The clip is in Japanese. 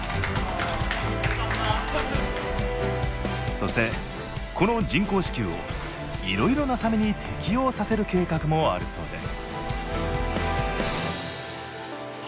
そしてこの人工子宮をいろいろなサメに適用させる計画もあるそうです